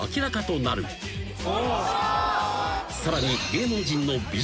［さらに］